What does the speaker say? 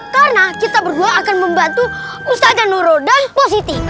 karena kita berdua akan membantu ustadzan ro dan positi